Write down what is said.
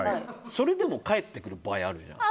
それでも返ってくる場合あるじゃん。